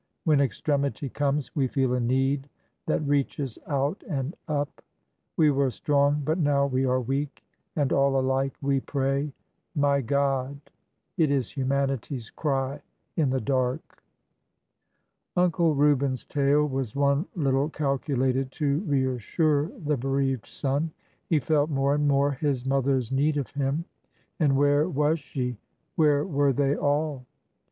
When extremity comes, we feel a need that reaches out and up. We were strong, but now we are weak— and all alike we pray : My God ! It is humanity's cry in the dark. Uncle Reuben's tale was one little calculated to reassure the bereaved son. He felt more and more his mother's need of him. And where was she ? Where were they all